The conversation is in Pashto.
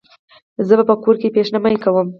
زه به په کور کې پیشمني کوم